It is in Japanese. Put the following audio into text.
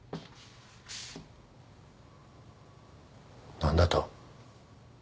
何だと？